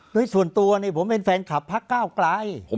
โดยส่วนตัวผมเป็นแฟนคลับพระเก้าไกล